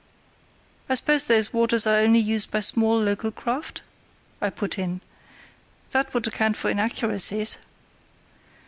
"I suppose those waters are only used by small local craft?" I put in; "that would account for inaccuracies."